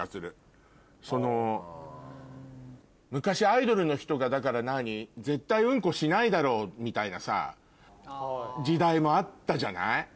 昔アイドルの人が絶対ウンコしないだろうみたいなさ時代もあったじゃない？